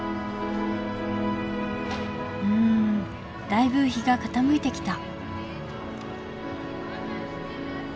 だいぶ日が傾いてきた。